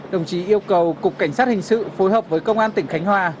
đồng chí yêu cầu cục cảnh sát hình sự phối hợp với công an tỉnh khánh hòa